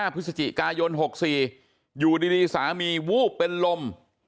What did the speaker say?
พฤศจิกายน๖๔อยู่ดีสามีวูบเป็นลม